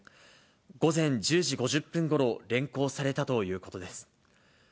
午前１０時５０分ごろ、連行されたということです。